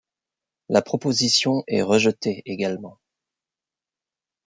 La proposition est rejetée également.